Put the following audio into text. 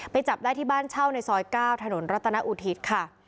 จับได้ที่บ้านเช่าในซอย๙ถนนรัตนอุทิศค่ะ